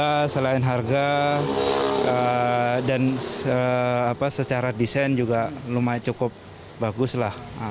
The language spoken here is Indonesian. ya selain harga dan secara desain juga lumayan cukup bagus lah